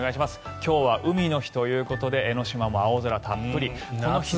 今日は海の日ということで江の島も青空たっぷり。